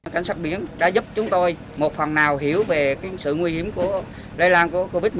cảnh sát biển đã giúp chúng tôi một phần nào hiểu về sự nguy hiểm của lây lan của covid một mươi